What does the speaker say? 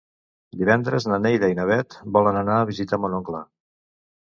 Divendres na Neida i na Bet volen anar a visitar mon oncle.